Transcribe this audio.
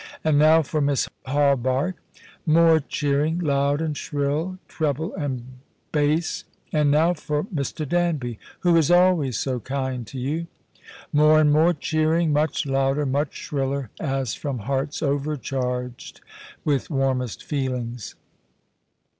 " And now for Miss Hawberk." More cheering ; loud and shrill, treble and bass. "x\.nd now for Mr. Danby, who is always so kind to you." More and more cheering, much louder, much shriller, as from hearts overcharged with warmest feelings.